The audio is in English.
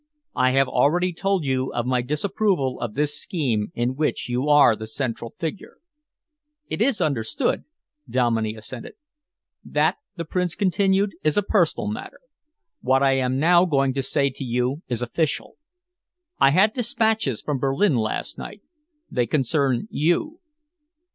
I have already told you of my disapproval of this scheme in which you are the central figure." "It is understood," Dominey assented. "That," the Prince continued, "is a personal matter. What I am now going to say to you is official. I had despatches from Berlin last night. They concern you."